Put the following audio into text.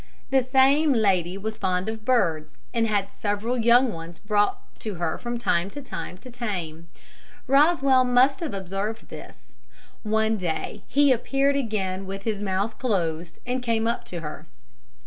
The same lady was fond of birds, and had several young ones brought to her from time to time to tame. Rosswell must have observed this. One day he appeared again with his mouth closed, and came up to her.